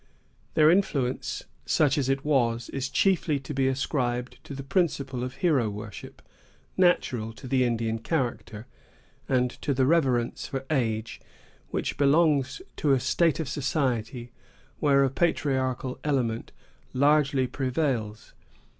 Their influence, such as it was, is chiefly to be ascribed to the principle of hero worship, natural to the Indian character, and to the reverence for age, which belongs to a state of society where a patriarchal element largely prevails.